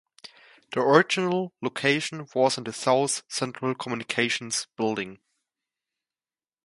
The original location was in the South Central Communications building.